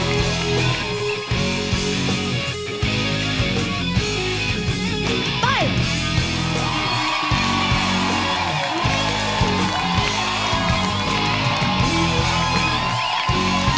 เธอได้ฉันมาง่ายไปไม่เสียดาย